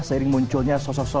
seiring munculnya sosok sosok